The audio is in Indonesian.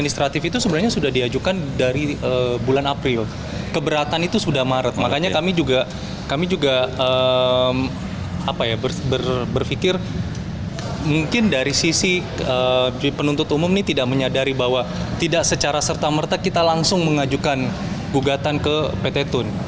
saya berpikir mungkin dari sisi penuntut umum ini tidak menyadari bahwa tidak secara serta merta kita langsung mengajukan gugatan ke pt tun